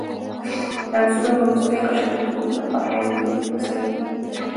د عنصرونو د وروستي قشر الکترونونه په عین ګروپ کې مساوي دي.